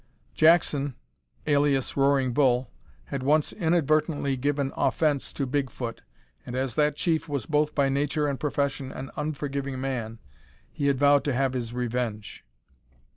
Jackson, alias Roaring Bull, had once inadvertently given offence to Bigfoot, and as that chief was both by nature and profession an unforgiving man he had vowed to have his revenge.